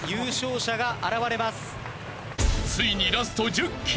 ［ついにラスト１０ｋｍ］